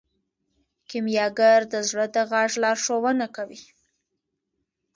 کیمیاګر د زړه د غږ لارښوونه کوي.